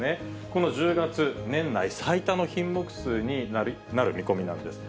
この１０月、年内最多の品目数になる見込みなんです。